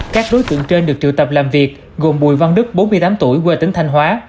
các đối tượng trên được triệu tập làm việc gồm bùi văn đức bốn mươi tám tuổi quê tỉnh thanh hóa